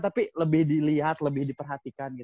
tapi lebih dilihat lebih diperhatikan